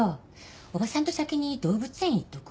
おばさんと先に動物園行っとく？